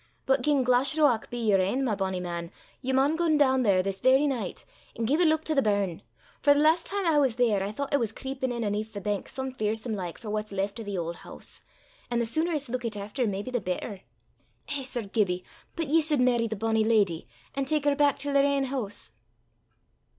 But gien Glashruach be yer ain, my bonnie man, ye maun gang doon there this verra nicht, and gie a luik to the burn; for the last time I was there, I thoucht it was creepin' in aneth the bank some fearsome like for what's left o' the auld hoose, an' the suner it's luikit efter maybe the better. Eh, Sir Gibbie, but ye sud merry the bonnie leddy, an' tak her back till her ain hoose."